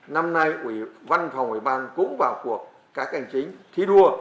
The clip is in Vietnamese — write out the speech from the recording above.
năm nay văn phòng ủy ban cũng vào cuộc các hành chính thi đua